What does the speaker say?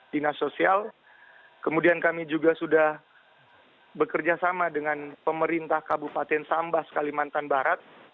dinas sosial kemudian kami juga sudah bekerja sama dengan pemerintah kabupaten sambas kalimantan barat